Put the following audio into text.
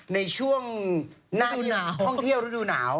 ในช่วงห้องเที่ยวฤดูหนาว